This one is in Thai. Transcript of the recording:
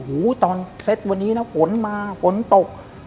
ตอนเซ็ตวันนี้นะฝนมาฝนตก